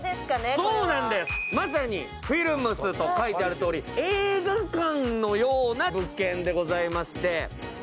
そうなんです、まさにフィルムスと書いてあるとおり映画館のような物件でして。